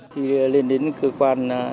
khi lên đến cơ quan